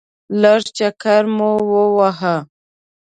لږ چکر مو وواهه.